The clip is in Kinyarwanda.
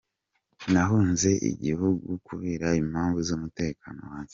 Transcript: Nahunze igihugu kubera impamvu z’umutekano wanjye.”